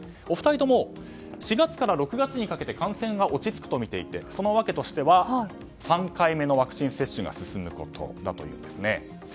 お二人とも４月から６月にかけて感染が落ち着くと見ていてその訳として３回目のワクチン接種が進むことだというんですね。